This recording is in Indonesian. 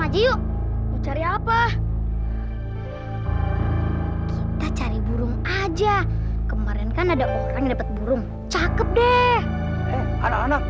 lagi yuk cari apa kita cari burung aja kemarin kan ada orang dapat burung cakep deh anak anak